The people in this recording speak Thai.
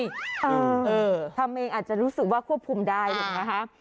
ทำเองอาจจะรู้สึกว่าควบคุมได้ถูกไหมคะ